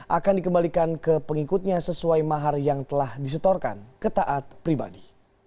akan dikembalikan ke pengikutnya sesuai mahar yang telah disetorkan ke taat pribadi